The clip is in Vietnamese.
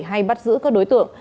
hay bắt giữ các đối tượng